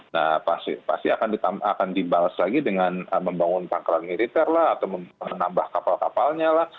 nah pasti akan dibalas lagi dengan membangun pangkalan militer lah atau menambah kapal kapalnya lah